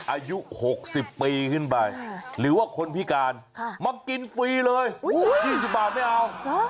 อายุ๖๐ปีขึ้นไปหรือว่าคนพิการมากินฟรีเลย๒๐บาทไม่เอา